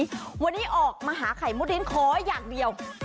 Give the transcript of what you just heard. ดูหนาวแบบนี้วันนี้ออกมาหาไข่มดริ้นขออย่างเดียว